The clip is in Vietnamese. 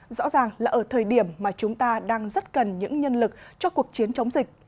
rõ ràng là ở thời điểm mà chúng ta đang rất cần những nhân lực cho cuộc chiến chống dịch